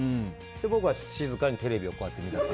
僕は静かにテレビこうやって見ている。